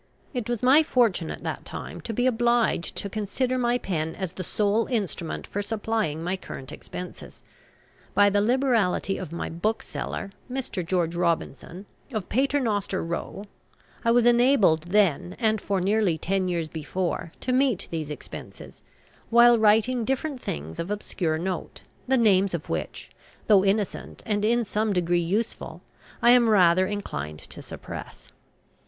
It was my fortune at that time to be obliged to consider my pen as the sole instrument for supplying my current expenses. By the liberality of my bookseller, Mr. George Robinson, of Paternoster Row, I was enabled then, and for nearly ten years before, to meet these expenses, while writing different things of obscure note, the names of which, though innocent and in some degree useful, I am rather inclined to suppress.